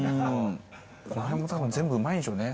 この辺も多分全部うまいんでしょうね。